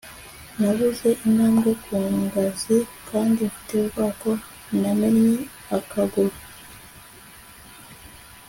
nabuze intambwe ku ngazi kandi mfite ubwoba ko namennye akaguru